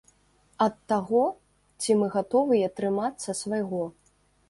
Ад таго, ці мы гатовыя трымацца свайго.